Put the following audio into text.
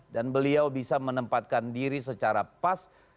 dan beliau bisa menempatkan diri secara pas